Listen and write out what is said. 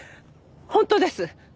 本当です。